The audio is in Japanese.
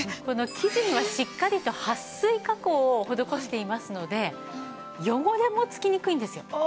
生地にはしっかりと撥水加工を施していますので汚れも付きにくいんですよ。